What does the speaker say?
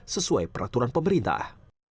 sesuai peraturan pemerintah